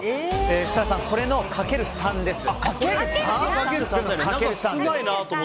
設楽さん、これのかける３です。